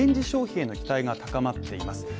消費への期待が高まっています。